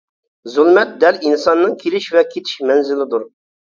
زۇلمەت دەل ئىنساننىڭ كېلىش ھەم كېتىش مەنزىلىدۇر.